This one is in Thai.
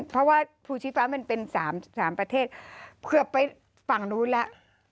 เพราะว่าภูชีฟ้ามันเป็น๓ประเทศเกือบไปฝั่งนู้นแล้ว